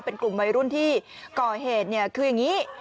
เป็นกลุ่มวัยรุ่นที่ก่อเหตุเนี่ยคืออย่างนี้